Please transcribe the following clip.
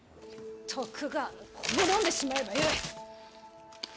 徳川など滅んでしまえばよい！